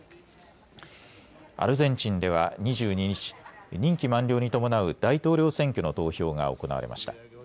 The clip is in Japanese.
アルゼンチンでは２２日、任期満了に伴う大統領選挙の投票が行われました。